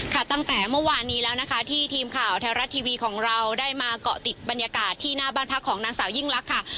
ตั้งแต่เมื่อวานนี้แล้วนะคะที่ทีมข่าวไทยรัฐทีวีของเราได้มาเกาะติดบรรยากาศที่หน้าบ้านพักของนางสาวยิ่งลักษณ์ค่ะ